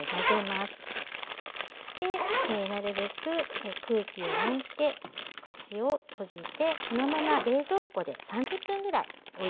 そしてなるべく空気を抜いて口を閉じてこのまま冷蔵庫で３０分ぐらいおいておきます。